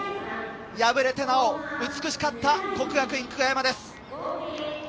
敗れてなお美しかった國學院久我山です。